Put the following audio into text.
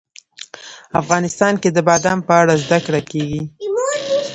افغانستان کې د بادام په اړه زده کړه کېږي.